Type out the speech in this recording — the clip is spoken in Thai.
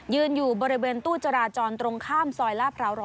อยู่บริเวณตู้จราจรตรงข้ามซอยลาดพร้าว๑๐